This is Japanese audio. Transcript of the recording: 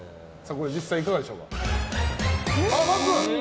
実際いかがでしょうか。×！